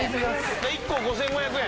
じゃあ１個５５００円。